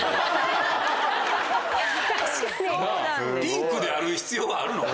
ピンクである必要はあるの？